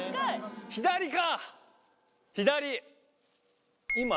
左か！